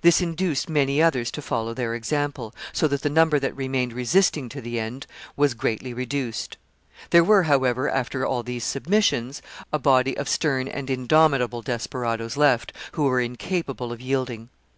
This induced many others to follow their example, so that the number that remained resisting to the end was greatly reduced. There were, however, after all these submissions, a body of stern and indomitable desperadoes left, who were incapable of yielding.